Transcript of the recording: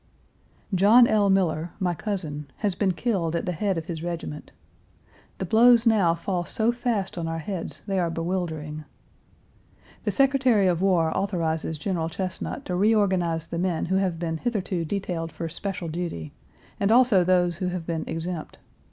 John L. Miller, my cousin, has been killed at the head of his regiment. The blows now fall so fast on our heads they are bewildering. The Secretary of War authorizes General Chesnut to reorganize the men who have been hitherto detailed for special duty, and also those who have been exempt.